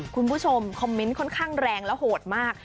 คุณผู้ชมคอมเมนต์ค่อนข้างแรงและโหดมาก